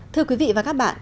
thưa quý vị và các bạn